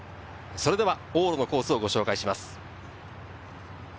それでは往路のコースをご紹介します。